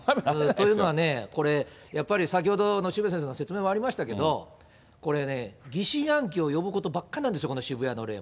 というのは、やっぱりね、先ほどの渋谷先生の説明もありましたけども、これね、疑心暗鬼を呼ぶことばっかなんですよ、この渋谷の例。